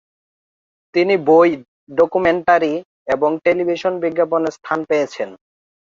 তিনি বই, ডকুমেন্টারি এবং টেলিভিশন বিজ্ঞাপনে স্থান পেয়েছেন।